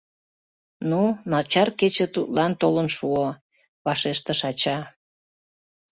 — Ну, начар кече тудлан толын шуо, — вашештыш ача.